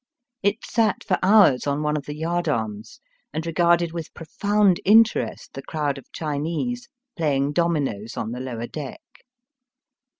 It sat for hours on one of the yardarms, and regarded with profound interest the crowd of Chinese playing dominoes on the lower deck.